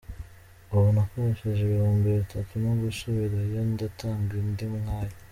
Ubu nakoresheje ibihumbi bitatu no gusubirayo ndatanga andi nk’ayo.